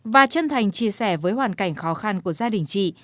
và chân thành chia sẻ với hoàn cảnh khó khăn của gia đình chị